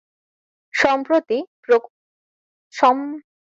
সম্প্রতি পোকারের ব্যাপক প্রসারের ফলে কোপাগের ব্যবসা দ্রুত বৃদ্ধি পেয়েছে।